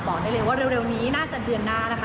บอกได้เลยว่าเร็วนี้น่าจะเดือนหน้านะคะ